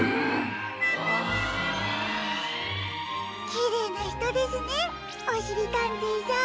きれいなひとですねおしりたんていさん。